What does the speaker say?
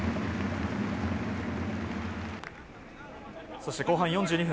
そして、後半４２分。